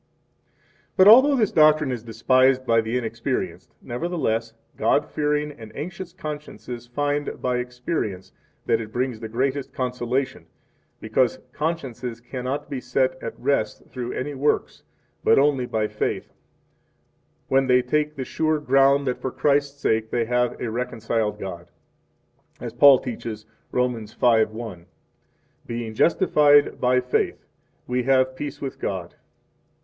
15 But, although this doctrine is despised by the inexperienced, nevertheless God fearing and anxious consciences find by experience that it brings the greatest consolation, because consciences cannot be set at rest through any works, but only by faith, when they take the sure ground that for Christ's sake they have a reconciled God. As Paul teaches Rom. 5:1: 16 Being justified by faith, we have peace with God.